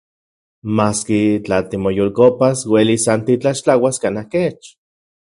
Maski, tla timoyolkopas, uelis san titlaxtlauas kanaj kech.